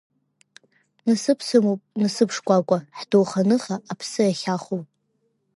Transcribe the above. Насыԥсымоуп, насыԥшкәакәа, ҳдоуҳа аныха аԥсы ахьахоу.